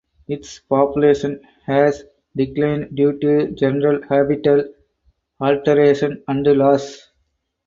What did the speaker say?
Its population has declined due to general habitat alteration and loss.